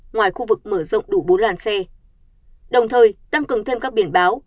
ngoài khu vực mở rộng đủ bốn làn xe đồng thời tăng cường thêm các biển báo